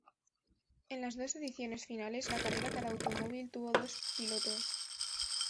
En las dos ediciones finales, la carrera cada automóvil tuvo dos pilotos.